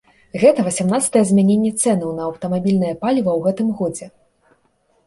Гэта васямнаццатае змяненне цэнаў на аўтамабільнае паліва ў гэтым годзе.